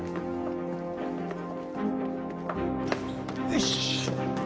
よし！